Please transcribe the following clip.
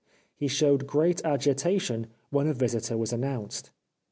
He showed great agitation when a visitor was announced.